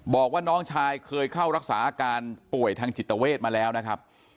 บอกว่าน้องชายเคยเข้ารักษาอาการป่วยทางจิตเวทมาแล้วนะครับ